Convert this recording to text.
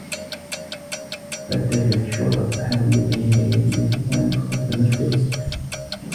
فتّشت الشّرطة حاوية النّفايات التي كانت خلف مكتب سامي.